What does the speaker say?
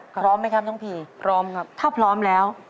พร้อมไหมครับน้องผีพร้อมครับถ้าพร้อมแล้ว